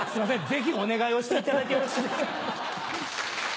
ぜひお願いをしていただいてよろしいですか？